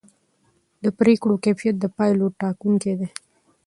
د پرېکړو کیفیت د پایلو ټاکونکی دی